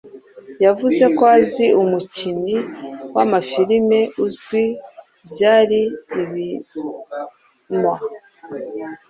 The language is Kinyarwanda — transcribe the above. Yavuze ko azi umukini w'amafirime uzwi, byari ibioma.